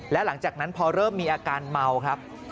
และหลังจากนั้นพอเริ่มมีอาการเมาครับ